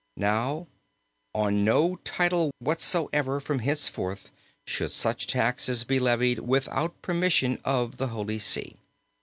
Now, on no title whatsoever from henceforth should such taxes be levied without permission of the Holy See.